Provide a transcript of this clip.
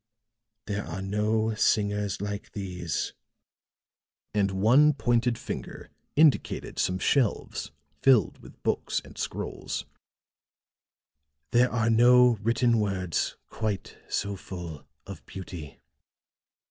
There are no singers like these," and one pointed finger indicated some shelves filled with books and scrolls; "there are no written words quite so full of beauty."